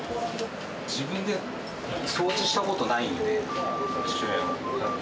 自分で掃除したことないんで、父親は。